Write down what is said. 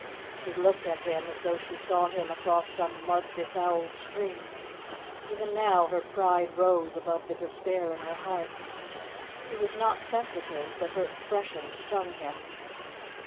She looked at him as though she saw him across some mud befouled stream. Even now her pride rose above the despair in her heart. He was not sensitive, but her expression stung him.